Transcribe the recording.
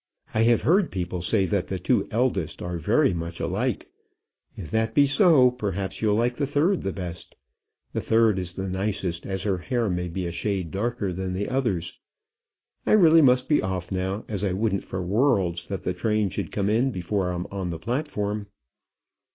I have heard people say that the two eldest are very much alike. If that be so, perhaps you'll like the third the best. The third is the nicest, as her hair may be a shade darker than the others. I really must be off now, as I wouldn't for worlds that the train should come in before I'm on the platform."